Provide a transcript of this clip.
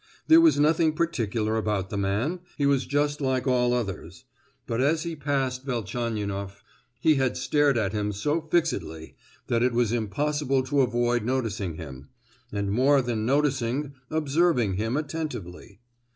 There was nothing particular about the man—he was just like all others; but as he passed Velchaninoff he had stared at him so fixedly that it was impossible to avoid noticing him, and more than noticing—observing him attentively.